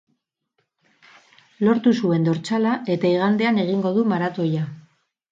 Lortu zuen dortsala eta igandean egingo du maratoia.